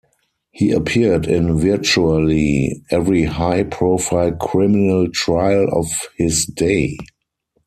He appeared in virtually every high-profile criminal trial of his day.